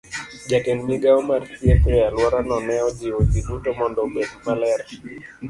Jatend migao mar thieth e alworano ne ojiwo ji duto mondo obed maler